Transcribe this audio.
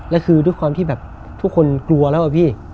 แล้วคือด้วยความที่แบบทุกคนกลัวแล้วอะพี่